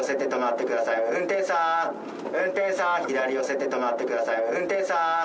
運転手さん左寄せて止まってね。